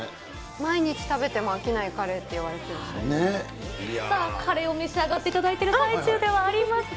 毎日食べても飽きないカレーさあ、カレーを召し上がっていただいている最中ではありますが、